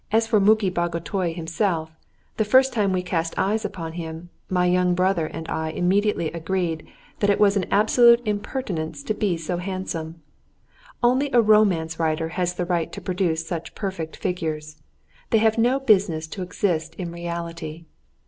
As for Muki Bagotay himself, the first time we cast eyes upon him, my young brother and I immediately agreed that it was an absolute impertinence to be so handsome. Only a romance writer has the right to produce such perfect figures; they have no business to exist in reality.